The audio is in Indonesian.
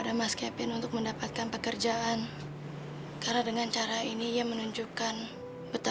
sampai jumpa di video selanjutnya